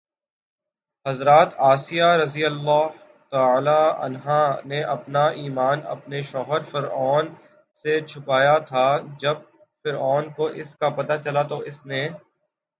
حضرت آسیہ رضی اللہ تعالٰی عنہا نے اپنا ایمان اپنے شوہر فرعون سے چھپایا تھا، جب فرعون کو اس کا پتہ چلا تو اس نے